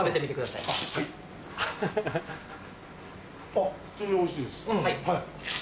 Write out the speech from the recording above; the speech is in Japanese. あっ普通においしいです。